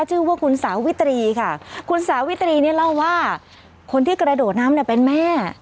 ชื่อว่าคุณสาวิตรีค่ะคุณสาวิตรีเนี่ยเล่าว่าคนที่กระโดดน้ำเนี่ยเป็นแม่